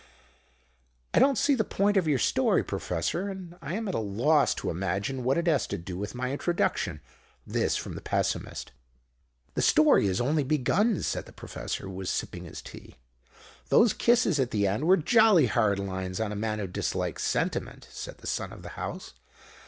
"I don't see the point of your story, Professor; and I am at a loss to imagine what it has to do with my introduction." This from the Pessimist. "The story has only begun," said the Professor, who was sipping his tea. "Those kisses at the end were jolly hard lines on a man who dislikes sentiment," said the Son of the House.